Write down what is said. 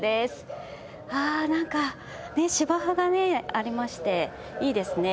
ああなんか芝生がねありましていいですね。